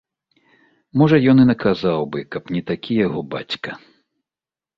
Можа, ён і наказаў бы, каб не такі яго бацька.